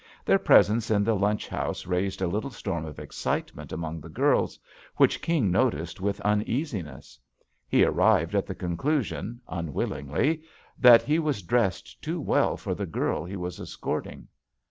Their presence in the lunch house raised a little storm of excitement among the girls, which King noticed with un easiness. He arrived at the conclusion, un willingly, that he was dressed too well for the girl he was escorting.